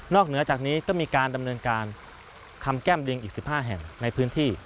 เหนือจากนี้ก็มีการดำเนินการทำแก้มลิงอีก๑๕แห่งในพื้นที่